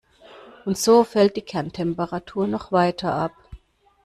Und so fällt die Kerntemperatur noch weiter ab.